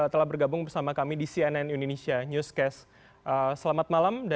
telah bergabung bersama kami di cnn indonesia newscast